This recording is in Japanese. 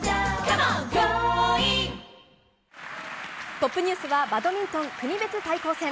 トップニュースはバドミントン国別対抗戦。